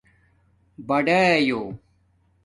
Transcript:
بڑایݸ